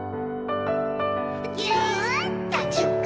「ぎゅっとじゅっこ」